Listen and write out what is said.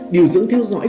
điều dưỡng theo dõi